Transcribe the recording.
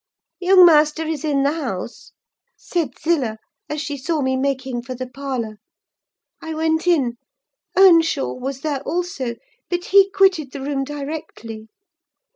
"'Young master is in the house,' said Zillah, as she saw me making for the parlour. I went in; Earnshaw was there also, but he quitted the room directly.